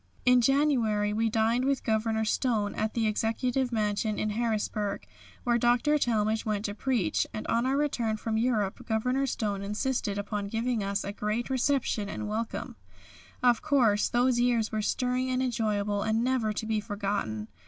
In January we dined with Governor Stone at the executive mansion in Harrisburg, where Dr. Talmage went to preach, and on our return from Europe Governor Stone insisted upon giving us a great reception and welcome. Of course, those years were stirring and enjoyable, and never to be forgotten.